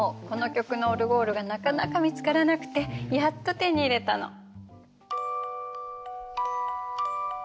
この曲のオルゴールがなかなか見つからなくてやっと手に入れたの。